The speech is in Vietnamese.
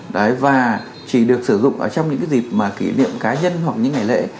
đấy và chỉ được sử dụng ở trong những cái dịp mà kỷ niệm cá nhân hoặc những ngày lễ